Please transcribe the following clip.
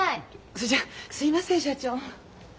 それじゃすいません社長。